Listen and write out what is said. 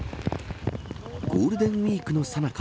ゴールデンウイークのさなか